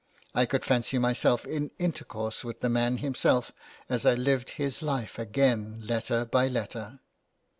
I could fancy myself in intercourse with the man himself as I lived his life again letter by letter.